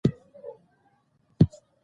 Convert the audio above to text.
ځینې وختونه ښځې چاکلیټ زیات خوښوي.